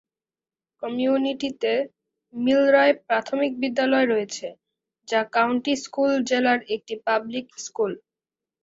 কমিউনিটিতে মিলরয় প্রাথমিক বিদ্যালয় রয়েছে, যা কাউন্টি স্কুল জেলার একটি পাবলিক স্কুল।